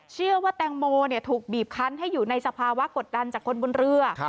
เชื่อว่าแตงโมถูกบีบคันให้อยู่ในสภาวะกดดันจากคนบนเรือ